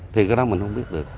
thì cái đó mình không biết được